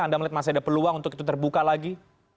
anda melihat masih ada peluang untuk itu terbuka lagi